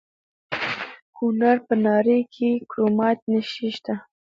د کونړ په ناړۍ کې د کرومایټ نښې شته.